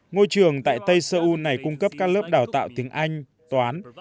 ngôi trường tại tây seoul này cung cấp các lớp đào tạo tiếng anh toán